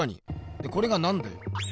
でこれが何だよ？